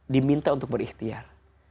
diminta untuk berikhtiar